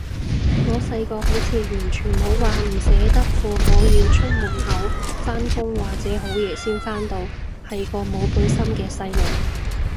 我細個好似完全冇話唔捨得父母要出門口返工或者好夜先返到，係個冇本心嘅細路